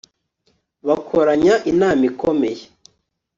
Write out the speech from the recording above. bakoranya inama ikomeye